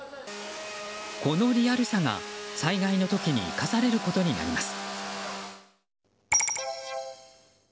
このリアルさが災害の時に生かされることになります。